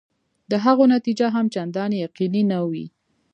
د هغو نتیجه هم چنداني یقیني نه وي.